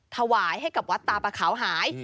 ถวายให้กับวัดตาปะขาวหาย